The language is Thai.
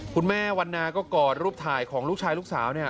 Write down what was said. คุณแม่วันนาก็กอดรูปถ่ายของลูกชายลูกสาว